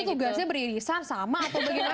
itu tugasnya beririsan sama atau bagaimana